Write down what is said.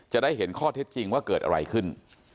จะได้เห็นข้อเท็จจริงว่าเกิดอะไรขึ้น